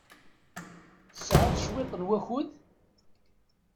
Tesɛiḍ cwiṭ n wakud?